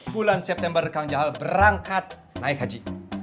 bulan september kang jaha berangkat naik haji